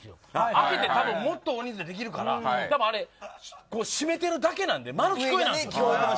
開けてもっと大人数で、できるから閉めてるだけなんで丸聞こえなんです。